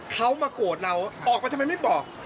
เขามาโกรธเราออกมาทำไมไม่บอก